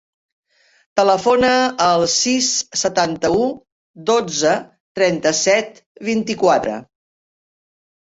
Telefona al sis, setanta-u, dotze, trenta-set, vint-i-quatre.